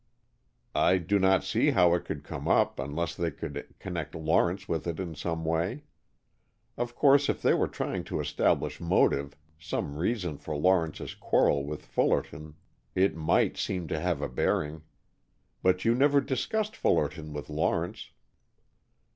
"I do not see how it could come up, unless they could connect Lawrence with it in some way. Of course if they were trying to establish motive, some reason for Lawrence's quarrel with Fullerton, it might seem to have a bearing. But you never discussed Fullerton with Lawrence."